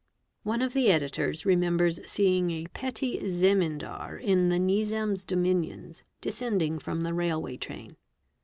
One of the ditors remembers seeing a petty Zemindar in the Nizam's Dominions Si ending from the railway train.